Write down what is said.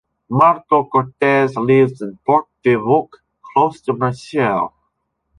Marco Cortes lives in Port-de-Bouc, close to Marseille.